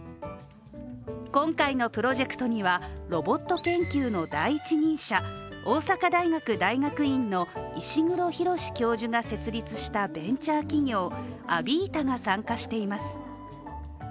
今回のプロジェクトにはロボット研究の第一人者、大阪大学大学院の石黒浩教授が設立したベンチャー企業アビータが参加しています。